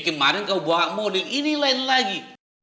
kemarin kau bawa mobil ini lain lagi